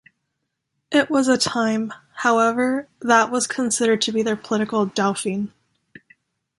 It was a time however, that was considered to be their political dauphine.